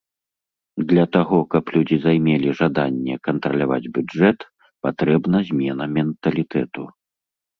Для таго, каб людзі займелі жаданне кантраляваць бюджэт, патрэбна змена менталітэту.